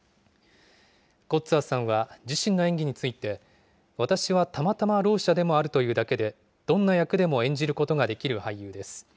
コッツァーさんは、自身の演技について、私はたまたまろう者でもあるというだけで、どんな役でも演じることができる俳優です。